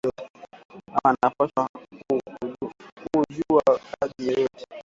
Mama ana pashwa ku juwa kaji yoyote